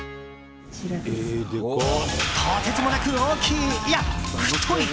とてつもなく大きいいや、太い。